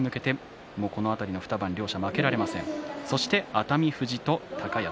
熱海富士と高安。